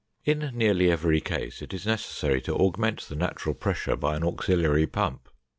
In nearly every case it is necessary to augment the natural pressure by an auxiliary pump.